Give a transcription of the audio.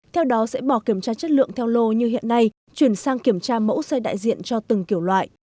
theo đó sẽ bỏ kiểm tra chất lượng theo lô như hiện nay chuyển sang kiểm tra mẫu xe đại diện cho từng kiểu loại